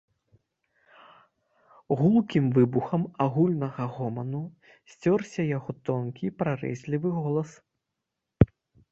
Гулкім выбухам агульнага гоману сцёрся яго тонкі прарэзлівы голас.